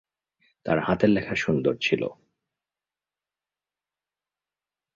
তার হাতের লেখা সুন্দর ছিল।